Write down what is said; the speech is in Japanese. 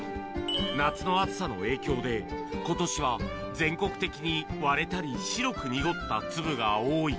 夏の暑さの影響で、ことしは全国的に割れたり白く濁った粒が多い。